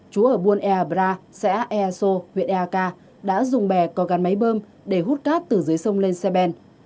chúa ở buôn ea bra xã erso huyện erka đã dùng bè có gắn máy bơm để hút cát từ dưới sông lên xe ben